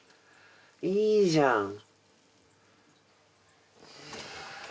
いいじゃん！